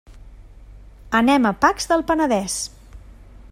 Anem a Pacs del Penedès.